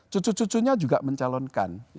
cucu cucunya juga mencalonkan